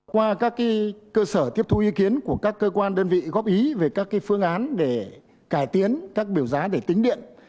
qua các cơ sở tiếp thu ý kiến của các cơ quan đơn vị góp ý về các phương án để cải tiến các biểu giá để tính điện